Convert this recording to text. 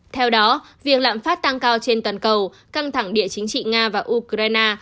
theo đó việc lạm phát tăng cao trên toàn cầu căng thẳng địa chính trị nga và ukraine